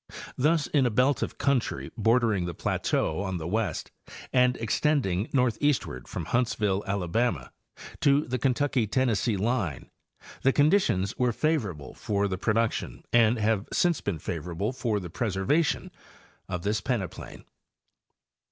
Thus in a belt of country bordering the plateau on the west and extending northeastward from Huntsville, Alabama, to the Kentucky Tennessee line the conditions were favorable for the production and have since been favorable for the perserva tion of this peneplain.